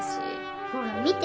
ほら見て。